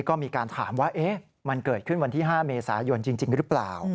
ก็มีการถามว่ามันเกิดขึ้นวันที่๕เมษายนจริงหรือเปล่า